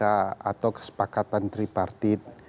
atau kesepakatan tripartit